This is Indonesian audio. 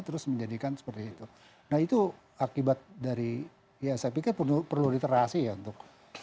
terus menjadikan seperti itu nah itu akibat dari ya saya pikir perlu literasi ya untuk